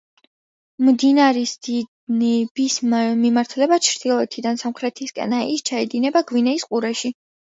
მდინარის დინების მიმართულება ჩრდილოეთიდან სამხრეთისკენაა; ის ჩაედინება გვინეის ყურეში.